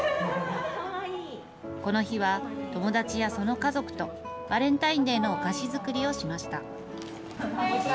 この日は、友達やその家族と、バレンタインデーのお菓子作りをしました。